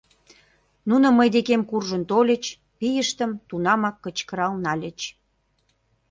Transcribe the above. Нуно мый декем куржын тольыч, пийыштым тунамак кычкырал нальыч